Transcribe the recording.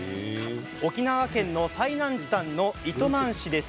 沖縄県の最南端の糸満市です。